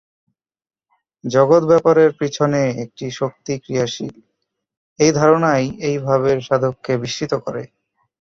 জগদ্-ব্যাপারের পিছনে একটি শক্তি ক্রিয়াশীল, এই ধারণাই এই ভাবের সাধককে বিস্মিত করে।